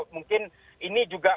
mungkin ini juga